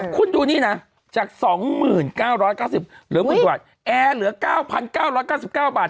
คุณดูนี่นะจาก๒๙๙๐หรือว่าแอร์เหลือ๙๙๙๙บาท